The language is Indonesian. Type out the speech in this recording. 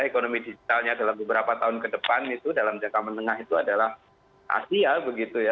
ekonomi digitalnya dalam beberapa tahun ke depan itu dalam jangka menengah itu adalah asia begitu ya